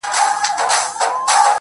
ما بيا وليدی ځان څومره پېروز په سجده کي_